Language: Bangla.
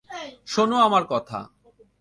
শোন আমার কথা।